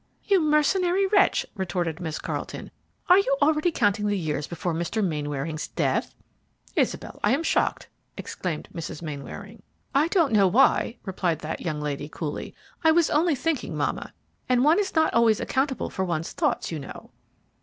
"You mercenary wretch!" retorted Miss Carleton; "are you already counting the years before Mr. Mainwaring's death?" "Isabel, I am shocked!" exclaimed Mrs. Mainwaring. "I don't know why," replied that young lady, coolly. "I was only thinking, mamma; and one is not always accountable for one's thoughts, you know."